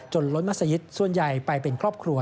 ล้นมัศยิตส่วนใหญ่ไปเป็นครอบครัว